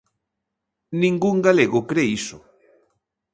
Ningún galego cre iso.